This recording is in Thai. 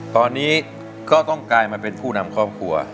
ตอนนี้ก็ต้องกลายมาเป็นผู้นำครอบครัว